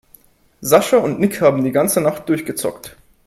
Sascha und Nick haben die ganze Nacht durchgezockt.